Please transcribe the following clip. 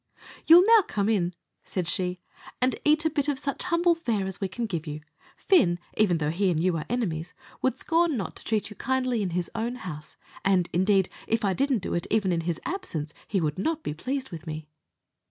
"You'll now come in," said she, "and eat a bit of such humble fare as we can give you. Fin, even although he and you are enemies, would scorn not to treat you kindly in his own house; and, indeed, if I didn't do it even in his absence, he would not be pleased with me."